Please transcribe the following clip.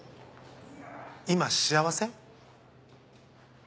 今幸せ？